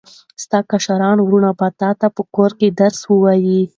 ستا کشران وروڼه به تاته په کور کې درس ووایي.